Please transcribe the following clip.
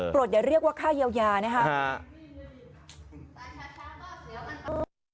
อย่าเรียกว่าค่าเยียวยานะครับ